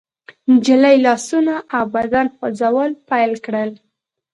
نجلۍ لاسونه او بدن خوځول پيل کړل.